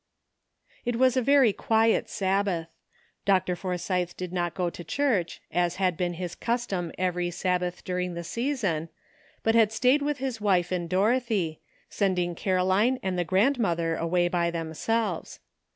It was a very quiet Sabbath. Dr. Forsythe did not go to church, as had been his custom every Sabbath during the season, but staid with his wife and Dorothy, sending Caroline and the grandmother away by themselves.